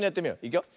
いくよ。